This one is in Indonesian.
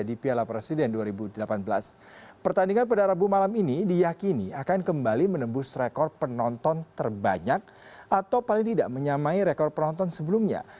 di piala presiden dua ribu delapan belas pertandingan pada rabu malam ini diyakini akan kembali menembus rekor penonton terbanyak atau paling tidak menyamai rekor penonton sebelumnya